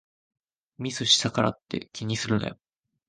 ミスしたからって気にするなよ